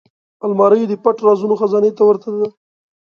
الماري د پټ رازونو خزانې ته ورته ده